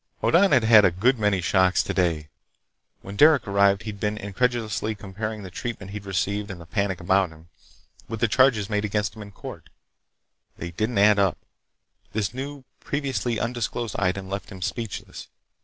Hoddan had had a good many shocks today. When Derec arrived, he'd been incredulously comparing the treatment he'd received and the panic about him, with the charges made against him in court. They didn't add up. This new, previously undisclosed item left him speechless.